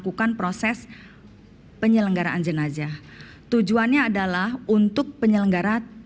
kekuatan yang lebih baik adalah penyelenggaraan jenajah tujuannya adalah untuk penyelenggaraan